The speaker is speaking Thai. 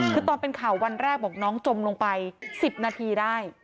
คือตอนเป็นข่าววันแรกบอกน้องจมลงไป๑๐นาทีได้